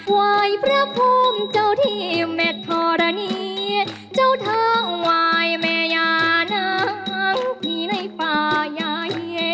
ว่ายพระพรหมเจ้าที่แม่ธรณีย์เจ้าทางว่ายแม่ยานางที่ในป่ายาเหย